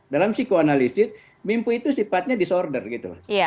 dalam psikoanalisis mimpi itu sifatnya disorder gitu